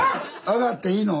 上がっていいの？